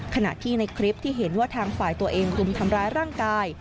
ขณะที่ในคลิปที่เห็นว่าทางฝ่ายตัวเองรุมทำร้ายร่างกาย